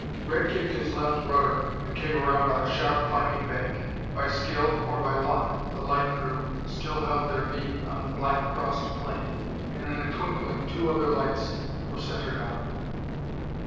Red kicked his left rudder and came around on a sharp climbing bank. By skill, or by luck, the light crew still held their beam on the black crossed plane and in a twinkling two other lights were centered on it.